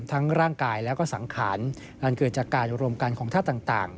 ทั้งร่างกายและสังขารอันเกิดจากการรวมกันของท่าต่าง